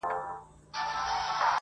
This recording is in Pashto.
له نمرود څخه د کبر جام نسکور سو--!